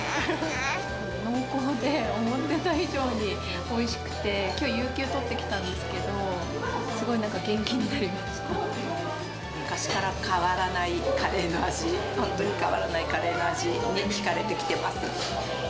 濃厚で、思ってた以上においしくて、きょう有休取ってきたんですけど、昔から変わらないカレーの味、本当に変わらないカレーの味にひかれてきてます。